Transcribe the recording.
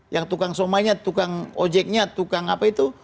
yang tukang somanya tukang ojeknya tukang apa itu